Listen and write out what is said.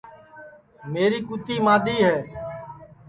میری کُوتی مادؔی ہے